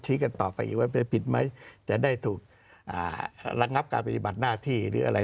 กันต่อไปอีกว่าจะผิดไหมจะได้ถูกระงับการปฏิบัติหน้าที่หรืออะไร